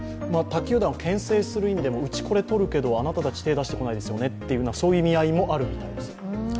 他球団をけん制する意味でも、うち、これ取るけど、あなたたち手を出してこないよねと、そういう意味合いもあるみたいです。